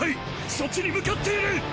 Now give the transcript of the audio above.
そっちに向かっている！